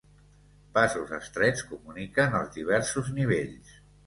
Passos estrets comuniquen els diversos nivells.